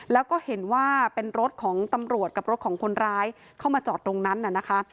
แล้วก็เห็นว่าเป็นรถของตำรวจกับรถของคนร้ายเข้ามาจอดตรงนั้นน่ะนะคะ